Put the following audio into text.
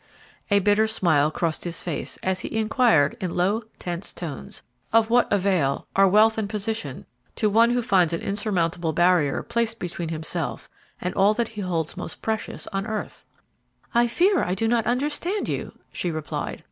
A bitter smile crossed his face, as he inquired in low, tense tones, "Of what avail are wealth and position to one who finds an insurmountable barrier placed between himself and all that he holds most precious on earth?" "I fear I do not understand you," she replied.